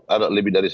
ada lebih dari satu